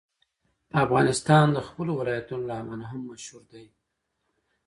افغانستان د خپلو ولایتونو له امله هم مشهور دی.